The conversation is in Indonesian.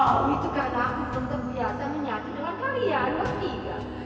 oh itu karena aku pun terbiasa menyatu dengan kalian bertiga